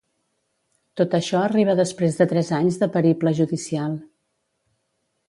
Tot això arriba després de tres anys de periple judicial.